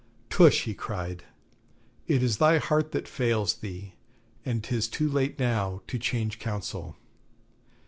'Tush!' he cried; 'it is thy heart that fails thee, and 'tis too late now to change counsel.